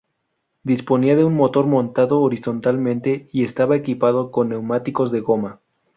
Disponían de un motor montado horizontalmente y estaba equipado con neumáticos de goma.